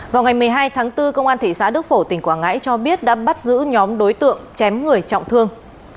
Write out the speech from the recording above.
vào ngày một mươi hai tháng bốn công an thị xã đức phổ tỉnh quảng ngãi cho biết đã bắt giữ nhóm đối tượng chém người trọng thương